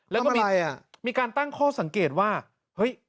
แล้วก็มีการตั้งข้อสังเกตว่าเฮ้ย